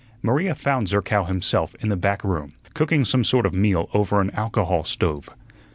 Maria found Zerkow himself in the back room, cooking some sort of a meal over an alcohol stove.